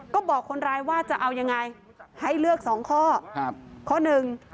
ก็บอกคนร้ายว่าจะเอายังไงให้เลือกสองข้อครับข้อหนึ่ง